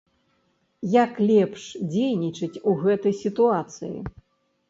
Як лепш дзейнічаць у гэтай сітуацыі?